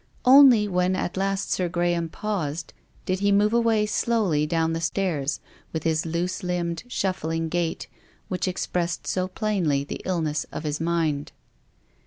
Only when at last Sir Graham paused, did he move away slowly down the stairs with his loose limbed, .shuffling gait, which expressed so plainly the illness of his mind.